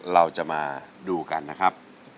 เราจะมาดูกันนะครับ